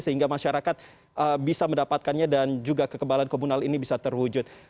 sehingga masyarakat bisa mendapatkannya dan juga kekebalan komunal ini bisa terwujud